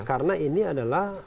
karena ini adalah